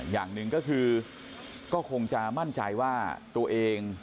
อย่างหนึ่งก็คือก็คงจะมั่นใจว่าตัวเอง